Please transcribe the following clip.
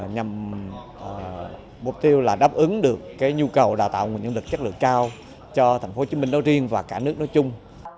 nhằm mục tiêu là đáp ứng được nhu cầu đào tạo nguồn nhân lực chất lượng cao cho tp hcm nói riêng và cả nước nói chung